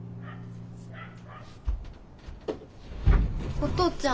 お父ちゃん。